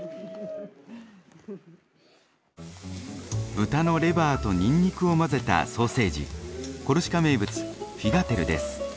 豚のレバーとにんにくを混ぜたソーセージコルシカ名物フィガテルです。